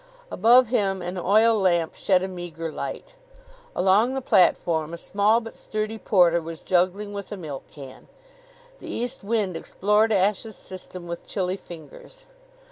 Above him an oil lamp shed a meager light. Along the platform a small but sturdy porter was juggling with a milk can. The east wind explored Ashe's system with chilly fingers.